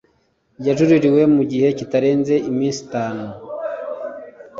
yajuririwe mu gihe kitarenze iminsi itanu.